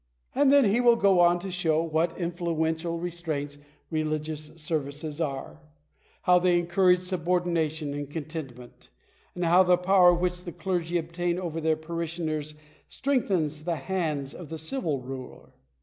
* And then he will go on to show what influential restraints religious services are; how they encourage subordination and content ment; and how the power which the clergy obtain over their parishioners strengthens the hands of the civil ruler.